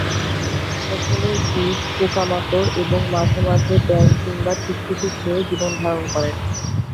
ফসলের বীজ, পোকামাকড় এবং মাঝেমাঝে ব্যাঙ কিংবা টিকটিকি খেয়ে জীবনধারণ করেন।